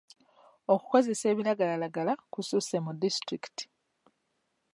Okukozesa ebiragalalagala kussuse mu disitulikiti.